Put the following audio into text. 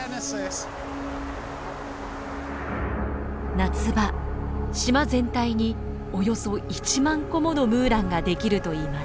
夏場島全体におよそ１万個ものムーランが出来るといいます。